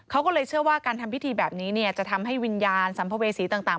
เขาก็เลยเชื่อว่าการทำพิธีแบบนี้จะทำให้วิญญาณสัมภเวษีต่าง